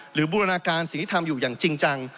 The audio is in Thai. บูรณาการสิ่งที่ทำอยู่อย่างจริงจัง